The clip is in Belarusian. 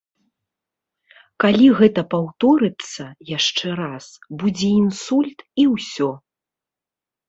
Калі гэта паўторыцца яшчэ раз, будзе інсульт, і ўсё.